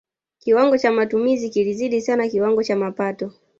kiwango cha matumizi kilizidi sana kiwango cha mapato